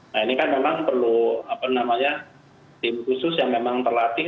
nah ini kan memang perlu tim khusus yang memang terlatih